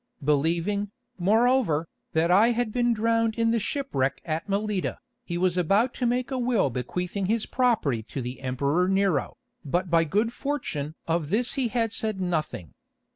Believing, moreover, that I had been drowned in the shipwreck at Melita, he was about to make a will bequeathing his property to the Emperor Nero, but by good fortune of this he had said nothing.